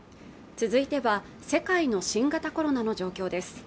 続いては世界の新型コロナの状況です